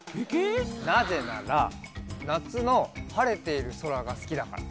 なぜならなつのはれているそらがすきだから。